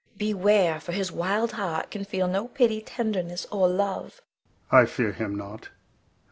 Beware! for his wild heart can feel no pity, tenderness, or love. Adel. I fear him not.